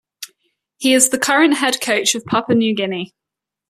He is the current head coach of Papua New Guinea.